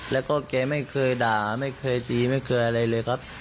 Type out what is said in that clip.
แล้วก็แกไม่เคยด่าไม่เคยตีไม่เคยอะไรเลยครับ